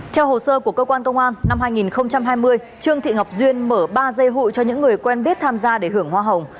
theo hồ sơ của cơ quan công an năm hai nghìn hai mươi trương thị ngọc duyên mở ba dây hụi cho những người quen biết tham gia để hưởng hoa hồng